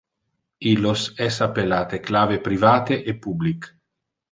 Illos es appellate clave private e public.